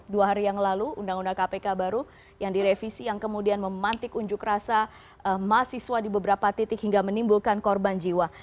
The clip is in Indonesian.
dua hari yang lalu undang undang kpk baru yang direvisi yang kemudian memantik unjuk rasa mahasiswa di beberapa titik hingga menimbulkan korban jiwa